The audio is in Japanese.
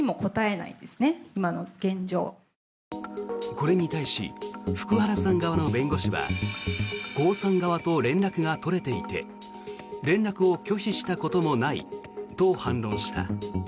これに対し福原さん側の弁護士はコウさん側と連絡が取れていて連絡を拒否したこともないと反論した。